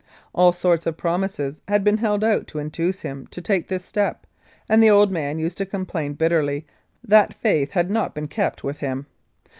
All sorts of promises had been held out to induce him to take this step, and the old man used to complain bitterly that faith had not been kept with him.